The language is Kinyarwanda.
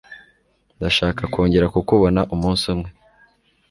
Ndashaka kongera kukubona umunsi umwe.